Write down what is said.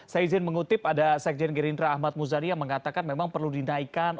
saya izin mengutip ada sekjen gerindra ahmad muzani yang mengatakan memang perlu dinaikkan